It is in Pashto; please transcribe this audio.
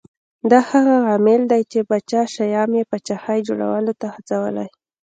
دا هغه عامل دی چې پاچا شیام یې پاچاهۍ جوړولو ته هڅولی